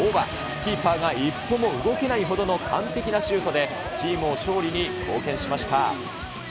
キーパーが一歩も動けないほどの完璧なシュートで、チームの勝利に貢献しました。